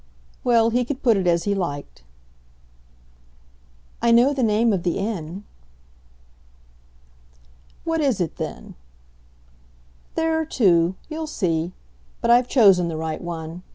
Well, he could put it as he liked. "I know the name of the inn." "What is it then?" "There are two you'll see. But I've chosen the right one.